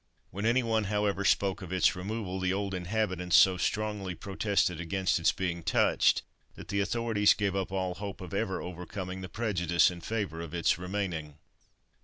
When any one, however, spoke of its removal, the old inhabitants so strongly protested against its being touched, that the authorities gave up all hope of ever overcoming the prejudice in favour of its remaining.